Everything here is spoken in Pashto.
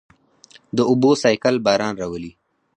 د اوبو سائیکل باران راولي.